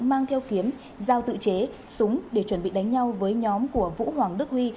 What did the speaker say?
mang theo kiếm giao tự chế súng để chuẩn bị đánh nhau với nhóm của vũ hoàng đức huy